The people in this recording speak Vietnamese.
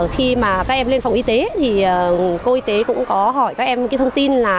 khi mà các em lên phòng y tế thì cô y tế cũng có hỏi các em cái thông tin là